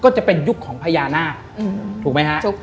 ก็จะเป็นยุคของพญานาคถูกไหมฮะ